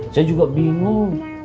saya juga bingung